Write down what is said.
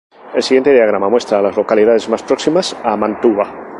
El siguiente diagrama muestra a las localidades más próximas a Mantua.